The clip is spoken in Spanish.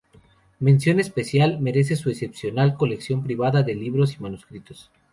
Mención especial merece su excepcional colección privada de libros y manuscritos.